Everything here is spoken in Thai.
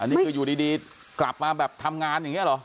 นี่คืออยู่ดีกลับมาแบบทำงานอย่างนี้เหรอ